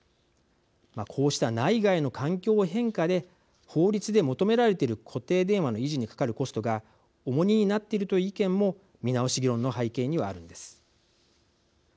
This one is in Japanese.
こうした内外の環境変化で法律で求められている固定電話の維持にかかるコストが重荷になっているという意見も見直し議論の背景にはあるんです。